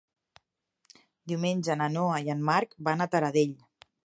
Diumenge na Noa i en Marc van a Taradell.